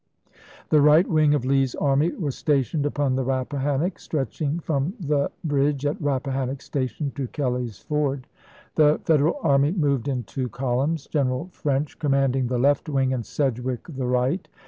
The right wing of Lee's army was stationed upon the Rappahannock, stretching from the bridge at Rappahannock Station to Kelly's Ford. The Fed eral army moved in two columns ; General French THE LINE OF THE KAPIDAN 243 commanding the left wing, and Sedgwick the right, chap.